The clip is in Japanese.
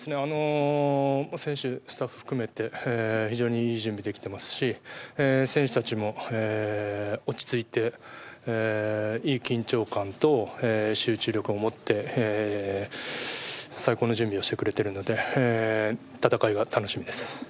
選手、スタッフ含めて非常に良い準備ができていますし選手たちも落ち着いていい緊張感と集中力をもって最高の準備をしてくれているので戦いが楽しみです。